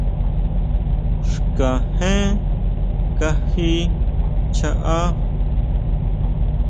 Xkajén kají chjaá.